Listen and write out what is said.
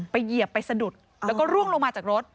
เหยียบไปสะดุดแล้วก็ร่วงลงมาจากรถ